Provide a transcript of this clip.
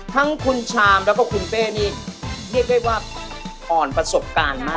ทั้งคุณชามแล้วก็คุณเป้นี่เรียกได้ว่าอ่อนประสบการณ์มาก